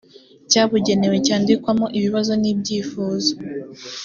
cyabugenewe cyandikwamo ibibazo n ibyifuzo